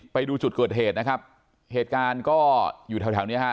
ไปดูจุดเกิดเหตุนะครับเหตุการณ์ก็อยู่แถวแถวเนี้ยฮะ